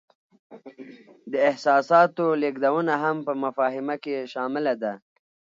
د احساساتو لیږدونه هم په مفاهمه کې شامله ده.